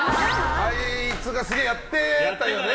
あいつがすげえやってたよね。